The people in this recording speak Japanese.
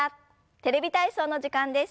「テレビ体操」の時間です。